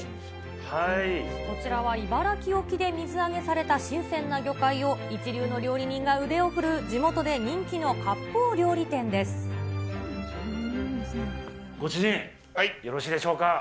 こちらは茨城沖で水揚げされた新鮮な魚介を一流の料理人が腕を振るう地元で人気のかっぽう